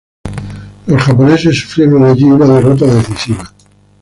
Los japoneses sufrieron allí una derrota decisiva.